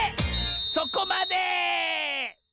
そこまで！